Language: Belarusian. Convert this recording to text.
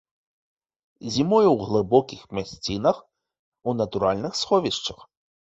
Зімуе ў глыбокіх мясцінах у натуральных сховішчах.